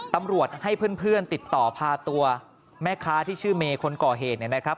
ตำรวจให้เพื่อนติดต่อพาตัวแม่ค้าที่ชื่อเมย์คนก่อเหตุเนี่ยนะครับ